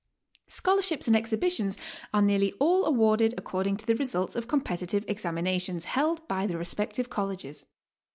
Scholarships and exhibitions are nearly all awarded according to the results of competitive examinations, held by the respective Colleges.